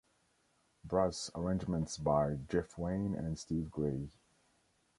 Brass arrangements by Jeff Wayne and Steve Gray.